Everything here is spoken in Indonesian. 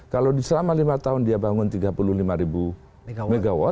kalau selama lima tahun dia bangun tiga puluh lima ribu megawatt